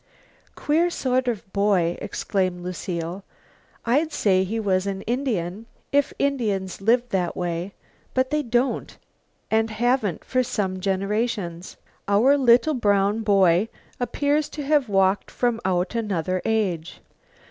"Queer sort of boy!" exclaimed Lucile. "I'd say he was an Indian, if Indians lived that way, but they don't and haven't for some generations. Our little brown boy appears to have walked from out another age."